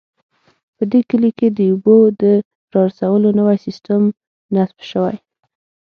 په دې کلي کې د اوبو د رارسولو نوی سیسټم نصب شوی